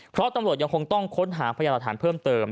เพราะตำรวจยังคงต้องค้นหาพยานหลักฐานเพิ่มเติม